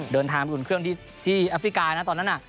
เดินทางไปอุ่นเครื่องที่แอฟริกานะตอนนั้นน่ะ